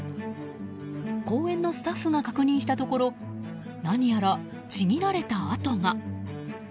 公園のスタッフが確認したところ何やらちぎられた跡が。